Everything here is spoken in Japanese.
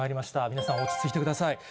皆さん落ち着いてください。